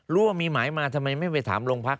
ว่ามีหมายมาทำไมไม่ไปถามโรงพัก